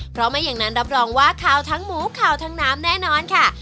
เพราะไม่อย่างนั้นรับรองว่าขาวทั้งหมูขาวทั้งน้ำแน่นอนค่ะ